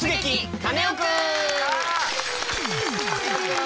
カネオくん」！